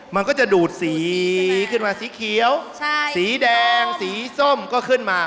มันก็จะดูดสีขึ้นมาสีเขียวสีแดงสีส้มก็ขึ้นมา